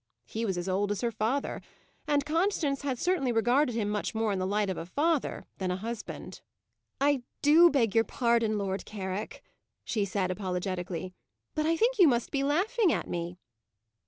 He was as old as her father; and Constance had certainly regarded him much more in the light of a father than a husband. "I do beg your pardon, Lord Carrick," she said, apologetically "but I think you must be laughing at me."